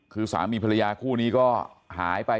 คือสามีภรรยาคู่นี้ก็หายไป